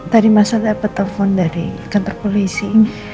tadi mas al dapat telepon dari kantor polisi